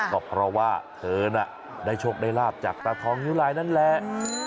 ก็เพราะว่าเธอน่ะได้โชคได้ลาบจากตาทองนิ้วลายนั่นแหละ